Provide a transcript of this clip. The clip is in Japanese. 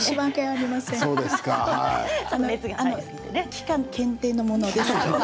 期間限定のものです。